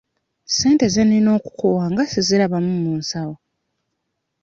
Ssente ze nnina okukuwa nga sizirabamu mu nsawo?